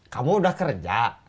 kamu udah kerja